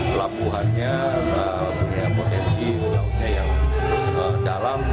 pelabuhannya punya potensi lautnya yang dalam